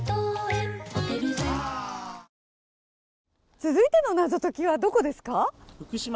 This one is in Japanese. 続いての謎解きはどこですか？